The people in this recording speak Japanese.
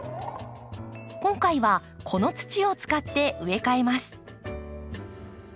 今回はこの土を使って植え替えます。